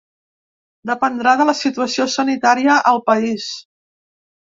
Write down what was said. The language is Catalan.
Dependrà de la situació sanitària al país.